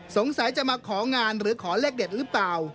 สงสัยจะมาของานหรือขอเลขเด็ดหรือเปล่า